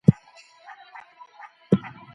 ده قناعت کړی دی.